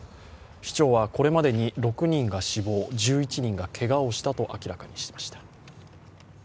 市長はこれまでに６人が死亡、１１人がけがをしたと明らかにしました。